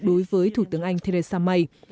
đối với thủ tướng anh theresa may